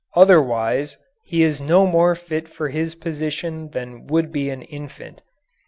Otherwise he is no more fit for his position than would be an infant.